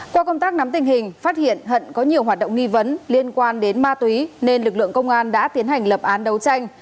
qua công tác nắm tình hình phát hiện hận có nhiều hoạt động nghi vấn liên quan đến ma túy nên lực lượng công an đã tiến hành lập án đấu tranh